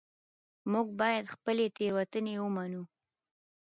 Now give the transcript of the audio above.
موږ باید خپلې تېروتنې ومنو